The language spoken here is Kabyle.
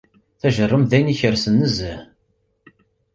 Tajerrumt d ayen ikersen nezzeh.